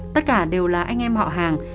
tất cả đều là anh em họ hàng